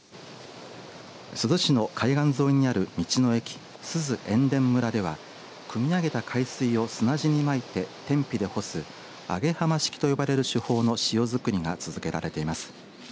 珠洲市の海岸沿いにある道の駅すず塩田村ではくみ上げた海水を砂地にまいて天日で干す揚浜式と呼ばれる手法の塩作りが続けられています。